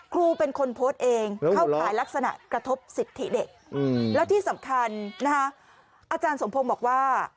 ครูเป็นคนโพสต์เองเข้าขายลักษณะกระทบสิทธิเด็กแล้วที่สำคัญนะฮะอาจารย์สมพงศ์บอกว่า